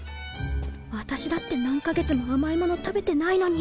私だって何か月も甘いもの食べてないのに